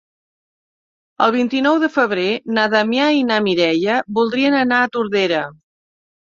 El vint-i-nou de febrer na Damià i na Mireia voldrien anar a Tordera.